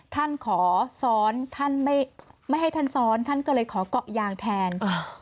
ท่านขอซ้อนท่านไม่ให้ท่านซ้อนท่านก็เลยขอเกาะยางแทน